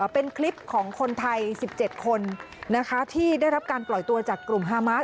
เป็นคลิปของคนไทย๑๗คนที่ได้รับการปล่อยตัวจากกลุ่มฮามาส